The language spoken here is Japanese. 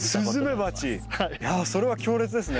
いやそれは強烈ですね。